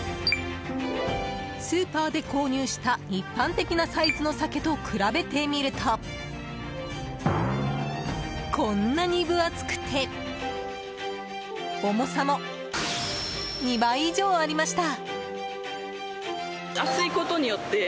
スーパーで購入した一般的なサイズのサケと比べてみるとこんなに分厚くて重さも２倍以上ありました。